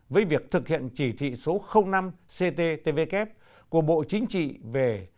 với việc thực hiện chỉ thị số năm cttvk của bộ chính trị về